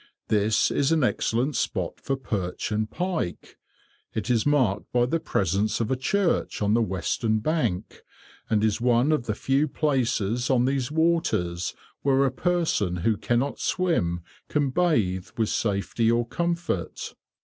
This is an excellent spot for perch and pike. It is marked by the presence of a church on the western bank, and is one of the few places on these waters where a person who cannot swim can bathe with safety or comfort.